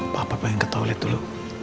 papa pengen ke toilet dulu